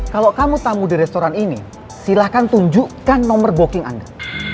kalau kamu tamu di restoran ini silahkan tunjukkan nomor booking anda